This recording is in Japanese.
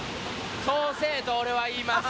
そうせぇと俺は言います。